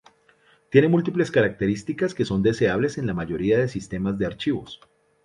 Tiene múltiples características que son deseables en la mayoría de sistemas de archivos.